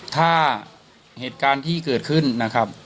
ถ้าเหตุการณ์ที่เกิดขึ้นนะครับ